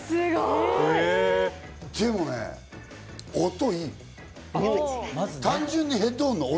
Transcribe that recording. でもね、音、いい！